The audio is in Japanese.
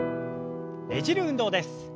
ねじる運動です。